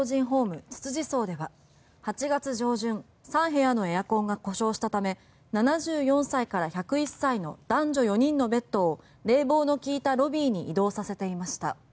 特別養護老人ホームつつじ荘では８月上旬３部屋のエアコンが故障したため７４歳から１０１歳の男女４人のベッドを冷房の利いたロビーに移動させていました。